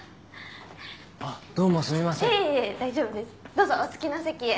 どうぞお好きな席へ。